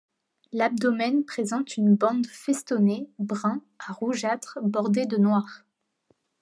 L'abdomen présente une bande festonnée brun à rougeâtre bordée de noir.